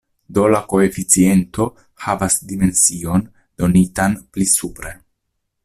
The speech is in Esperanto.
Do la koeficiento havas dimension donitan pli supre.